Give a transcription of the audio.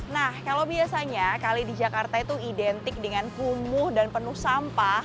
nah kalau biasanya kali di jakarta itu identik dengan kumuh dan penuh sampah